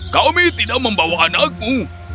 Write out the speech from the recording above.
kami tidak membawa anakmu